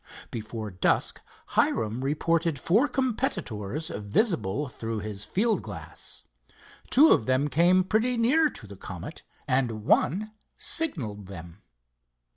Before dusk Hiram reported four competitors visible through his field glass. Two of them came pretty near to the Comet, and one signalled them.